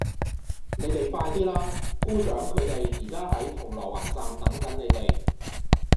你哋快啲啦!姑丈佢哋而家喺銅鑼灣站等緊你哋